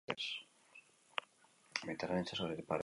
Mediterraneo itsasoaren parean hedatzen da.